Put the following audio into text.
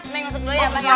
neng masuk dulu ya pak ya